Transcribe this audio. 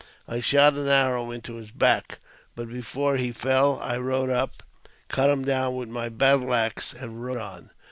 I shot an arrow into his back, but, before he fell, I rode up, cut him down with my battle axe, and rode on.